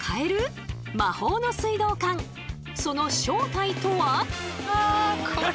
その正体とは？